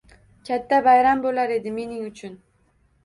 Katta bayram bo’lar edi mening uchun.